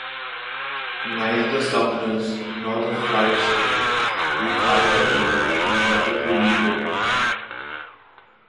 Neither the Summoner's nor The Friar's Tale leave either of them looking particularly good.